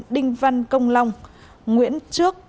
đinh văn công long nguyễn trước